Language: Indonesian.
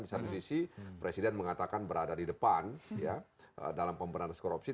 di satu sisi presiden mengatakan berada di depan dalam pemberantas korupsi